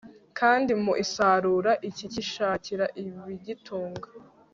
Kandi mu isarura kikishakira ibigitunga